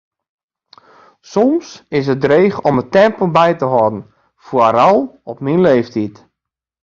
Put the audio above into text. Soms is it dreech om it tempo by te hâlden, foaral op myn leeftiid.